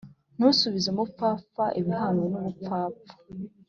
ntusubize umupfapfa ibihwanye n ubupfapfa